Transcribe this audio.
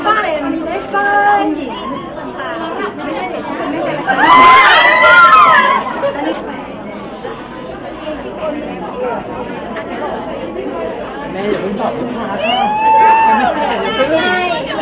ต้องเหยียนต้องเหยียนไม่ใช่เชิงแม่งที่ผมเข้าใจ